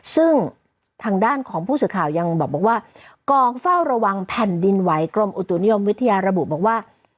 ซึ่งทางด้านของผู้สื่อข่าวยังบอกว่ากองเฝ้าระวังแผ่นดินไหวกรมอุตุนิยมวิทยาระบุบอกว่า